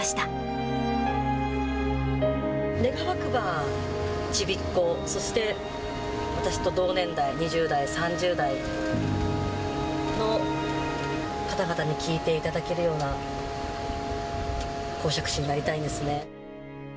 貞鏡さんは、自分の道は自分で切願わくば、ちびっ子、そして私と同年代、２０代、３０代の方々に聞いていただけるような講釈師になりたいんですね。